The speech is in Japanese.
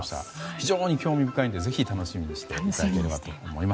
非常に興味深いのでぜひ楽しみにしてください。